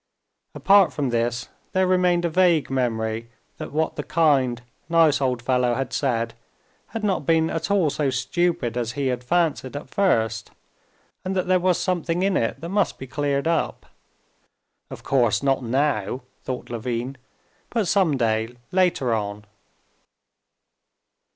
Apart from this, there remained a vague memory that what the kind, nice old fellow had said had not been at all so stupid as he had fancied at first, and that there was something in it that must be cleared up. "Of course, not now," thought Levin, "but some day later on."